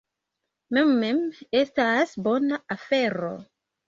Mmm, estas bona afero.